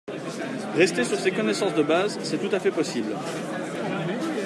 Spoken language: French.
Rester sur ces connaissances de base, c’est tout à fait possible.